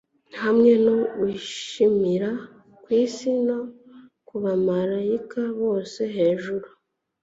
hamwe no gushimira kwisi no kubamarayika bose hejuru